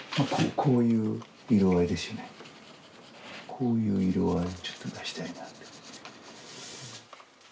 こういう色合いをちょっと出したいな。